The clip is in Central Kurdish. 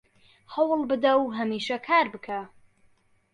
هەوڵ بدە و هەمیشە کار بکە